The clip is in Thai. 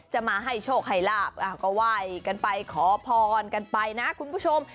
จะมาให้โชคให้ลาบก็ไหว้กันไปขอพรกันไปนะคุณผู้ชม